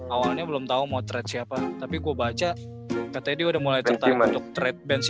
awalnya belum tahu mau trade siapa tapi gua baca katanya udah mulai tetap untuk trade ben